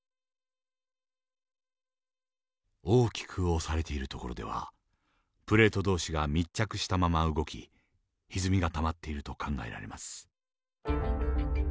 大きく押されている所ではプレート同士が密着したまま動きひずみがたまっていると考えられます。